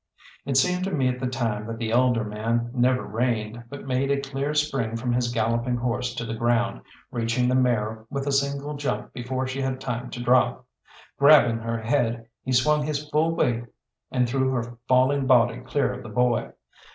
It seemed to me at the time that the elder man never reined, but made a clear spring from his galloping horse to the ground, reaching the mare with a single jump before she had time to drop. Grabbing her head, he swung his full weight, and threw her falling body clear of the boy.